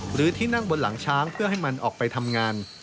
หรือที่นั่งบนหลังช้างเพื่อให้มันออกไปทำงาน